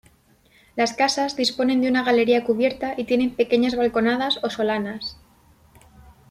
Las casas disponen de una galería cubierta y tienen pequeñas balconadas o solanas.